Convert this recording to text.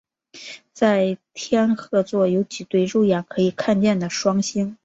在天鹤座有几对肉眼可以看见的双星。